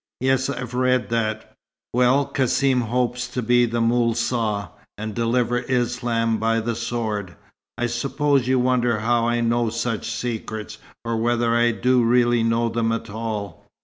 "Yes, I've read that " "Well, Cassim hopes to be the Moul Saa, and deliver Islam by the sword. I suppose you wonder how I know such secrets, or whether I do really know them at all.